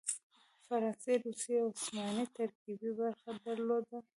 فرانسې، روسیې او عثماني ترکیې برخه درلوده.